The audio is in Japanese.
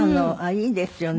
いいですよね。